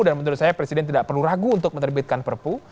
dan menurut saya presiden tidak perlu ragu untuk menerbitkan perpu